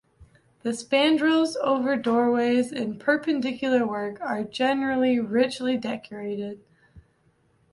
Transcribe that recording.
The spandrels over doorways in Perpendicular work are generally richly decorated.